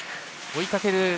追いかける